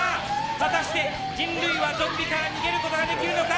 果たして人類はゾンビから逃げることができるのか！